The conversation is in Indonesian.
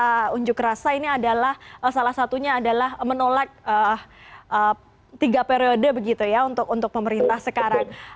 untuk unjuk rasa ini adalah salah satunya adalah menolak tiga periode begitu ya untuk pemerintah sekarang